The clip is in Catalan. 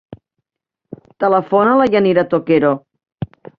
Telefona a la Yanira Toquero.